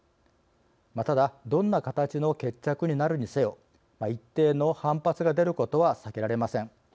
ただ、どんな形の決着になるにせよ一定の反発が出ることは避けられません。